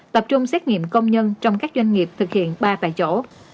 tập trung xét nghiệm công nhân trong các doanh nghiệp thực hiện ba tại chỗ